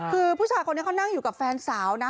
คือผู้ชายคนนี้เขานั่งอยู่กับแฟนสาวนะ